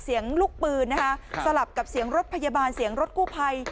เสียงลูกปืนนะคะสลับกับเสียงรถพยาบาลเสียงรถกู้ภัย